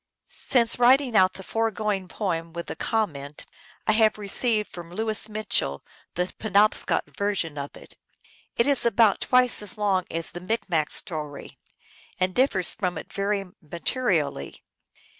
Since writing out the foregoing poem, with the com ment, I have received from Louis Mitchell the Pe nobscot version of it. It is about twice as long as the Micmac story, and differs from it very materially.